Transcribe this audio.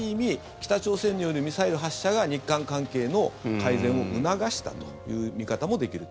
北朝鮮によるミサイル発射が日韓関係の改善を促したという見方もできると。